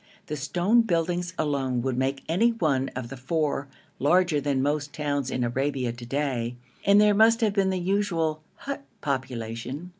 The stone buildings alone would make any one of the four larger than most towns in Arabia to day, and there must have been the usual hut population.